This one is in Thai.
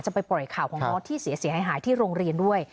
ไปปล่อยข่าวของน้องที่เสียหายที่โรงเรียนด้วย